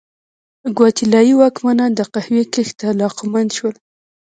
ګواتیلايي واکمنان د قهوې کښت ته علاقمند شول.